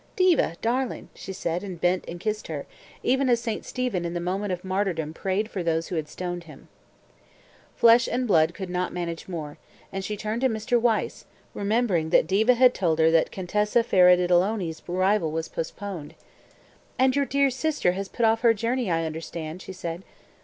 "Diva darling!" she said, and bent and kissed her, even as St. Stephen in the moment of martyrdom prayed for those who stoned him. Flesh and blood could not manage more, and she turned to Mr. Wyse, remembering that Diva had told her that the Contessa Faradiddleony's arrival was postponed. "And your dear sister has put off her journey, I understand," she said.